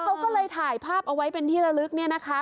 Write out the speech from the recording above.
เขาก็เลยถ่ายภาพเอาไว้เป็นที่ระลึกเนี่ยนะคะ